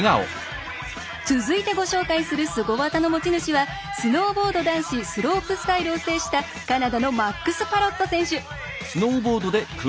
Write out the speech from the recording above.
続いて、ご紹介するすご技の持ち主はスノーボード男子スロープスタイルを制したカナダのマックス・パロット選手。